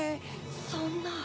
そんな。